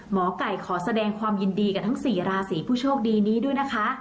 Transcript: หมอไก่ขอแสดงความยินดีกับทั้ง๔ราศีผู้โชคดีนี้ด้วยนะคะ